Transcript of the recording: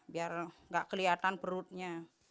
biar nggak kelihatan perutnya